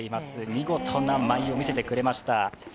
見事な舞を見せてくれました。